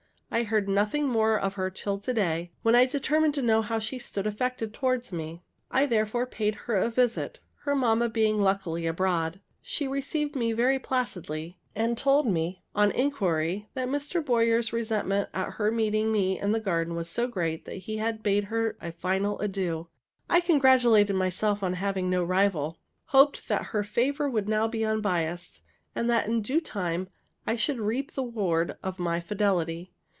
I heard nothing more of her till yesterday, when I determined to know how she stood affected towards me. I therefore paid her a visit, her mamma being luckily abroad. She received me very placidly, and told me, on inquiry, that Mr. Boyer's resentment at her meeting me in the garden was so great that he had bade her a final adieu. I congratulated myself on having no rival, hoped that her favor would now be unbiased, and that in due time I should reap the reward of my fidelity.